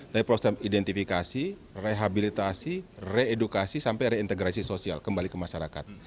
dari proses identifikasi rehabilitasi reedukasi sampai reintegrasi sosial kembali ke masyarakat